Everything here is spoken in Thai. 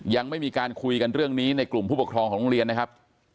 ยังไม่มีการคุยกันเรื่องนี้ในกลุ่มผู้ปกครองของโรงเรียนนะครับ